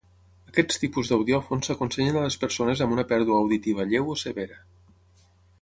Aquests tipus d'audiòfon s'aconsellen a les persones amb una pèrdua auditiva lleu o severa.